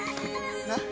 なっ？